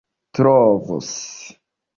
trovus